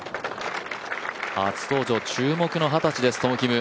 初登場、注目の二十歳です、トム・キム。